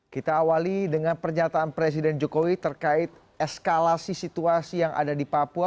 kita awali dengan pernyataan presiden jokowi terkait eskalasi situasi yang ada di papua